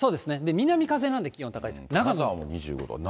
南風なんで、気温高い。